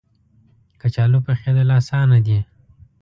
کچالو پخېدل اسانه دي